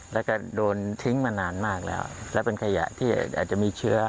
แล้วก็โดนทิ้งมานานมากแล้วแล้วเป็นขยะที่อาจจะมีเชื้อ